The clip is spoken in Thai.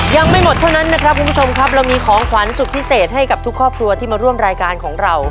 ยังไม่หมดเท่านั้นนะครับคุณผู้ชมครับเรามีของขวัญสุดพิเศษให้กับทุกครอบครัวที่มาร่วมรายการของเรา